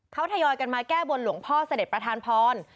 เขาทยอยกันมาแก้บนหลวงพ่อเสด็จประธานพร